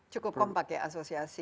cukup kompak ya asosiasi